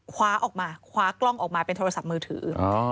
คว้าออกมาคว้ากล้องออกมาเป็นโทรศัพท์มือถือ